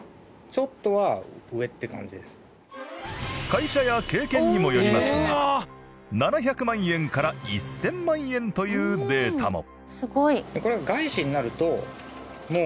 会社や経験にもよりますが７００万円から１０００万円というデータも。